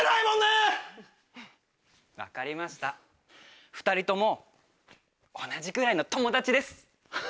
分かりました２人とも同じぐらいの友達です！